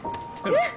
えっ？